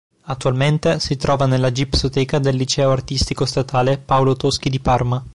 Attualmente si trova nella gipsoteca del Liceo artistico statale Paolo Toschi di Parma.